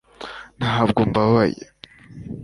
ntabwo mbabaye